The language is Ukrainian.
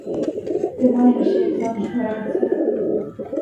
Ти маєш, як завжди, рацію!